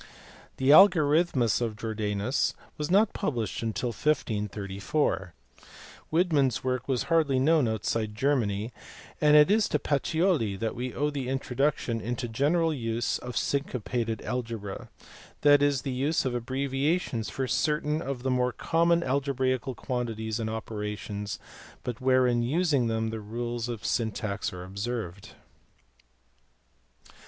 The Algorithmus of Jordanus was not published till 1534; Widman s work was hardly known outside Germany ; and it is to Pacioli that we owe the introduction into general use of syncopated algebra ; that is, the use of abbreviations for certain of the more common algebraical quantities and opera tions, but where in using them the rules of syntax are observed.